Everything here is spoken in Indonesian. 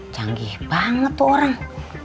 canggih banget tuh orang